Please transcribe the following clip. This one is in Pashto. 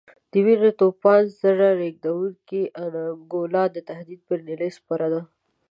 د وینو د توپان زړه رېږدونکې انګولا د تهدید پر نیلۍ سپره وه.